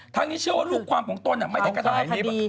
นี้เชื่อว่าลูกความของตนไม่ได้กระทำผิดด้วย